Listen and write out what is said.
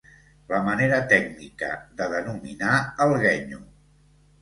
La manera tècnica de denominar el guenyo.